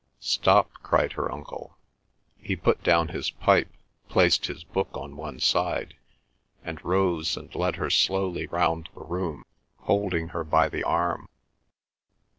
"Stop!" cried her uncle. He put down his pipe, placed his book on one side, and rose and led her slowly round the room, holding her by the arm.